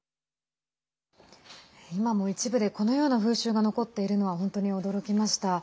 今も一部で、このような風習が残っているのは本当に驚きました。